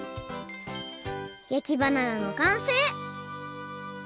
焼きバナナのかんせい！